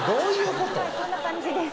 こんな感じです。